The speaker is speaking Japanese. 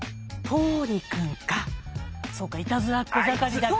あれそうかいたずらっ子盛りだから。